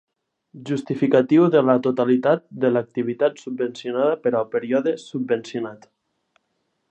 Justificatiu de la totalitat de l'activitat subvencionada per al període subvencionat.